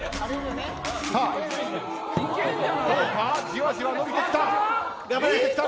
じわじわ伸びてきた。